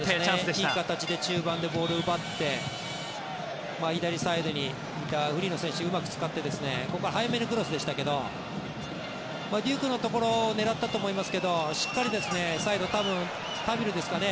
いい形で中盤でボールを奪って左サイドにいたフリーの選手をうまく使ってここは早めのクロスでしたけどデュークのところを狙ったと思いますけどしっかりサイド多分、タルビですかね。